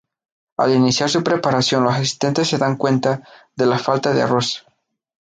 Al iniciar su preparación los asistentes se dan cuenta de la falta del arroz.